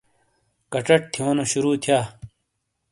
کچٹ تھِیونو شروع تھییا۔